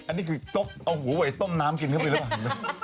อันนี้คือเอาหัวเวยต้มน้ำกินเข้าไปแล้วบ้าง